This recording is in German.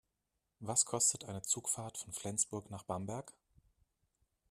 Was kostet eine Zugfahrt von Flensburg nach Bamberg?